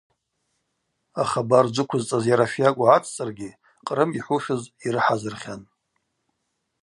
Ахабар джвыквызцӏаз йара шйакӏву гӏацӏцӏыргьи, Кърым йхӏвушыз йрыхӏазырхьан.